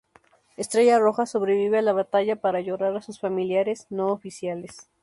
Estrella Roja sobrevive a la batalla para llorar a sus familiares no oficiales.